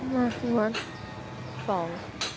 มากกี่วัน